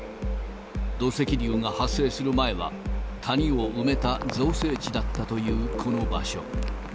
土石流が発生する前は、谷を埋めた造成地だったというこの場所。